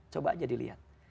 coba aja dilihat